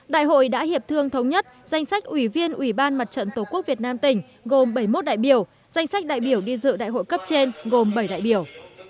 đại hội đã hiệp thương thống nhất danh sách ủy viên ủy ban mặt trận tqvn tỉnh gồm bảy mươi một đại biểu danh sách đại biểu đi dự đại hội cấp trên gồm bảy đại biểu